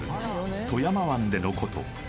富山湾でのこと